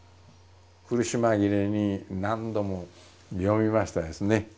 苦し紛れに何度も読みましたですね。